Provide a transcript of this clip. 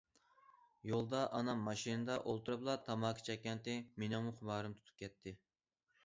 يولدا ئانام ماشىنىدا ئولتۇرۇپلا تاماكا چەككەنتى، مېنىڭمۇ خۇمارىم تۇتۇپ كەتتى.